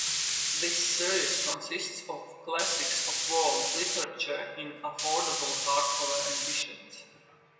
This series consists of classics of world literature in affordable hardcover editions.